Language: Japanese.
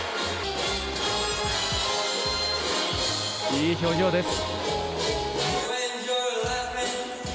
いい表情です！